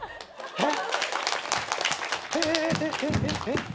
えっ？